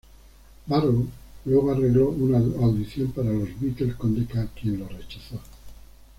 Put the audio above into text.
Barrow luego arregló una audición para los Beatles con Decca, quien los rechazó.